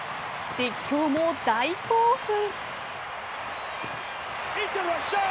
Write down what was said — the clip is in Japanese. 実況も大興奮。